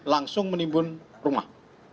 langsung menimbun rumah